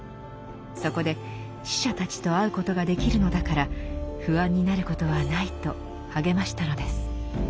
そこで死者たちと会うことができるのだから不安になることはないと励ましたのです。